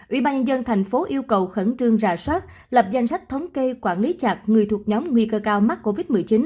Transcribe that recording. ủy ban nhân dân thành phố yêu cầu khẩn trương rà soát lập danh sách thống kê quản lý chặt người thuộc nhóm nguy cơ cao mắc covid một mươi chín